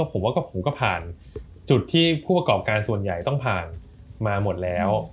ผมว่าผมก็ผ่านจุดที่ผู้ประกอบการส่วนใหญ่ต้องผ่านมาหมดแล้ว